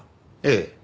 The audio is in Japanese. ええ。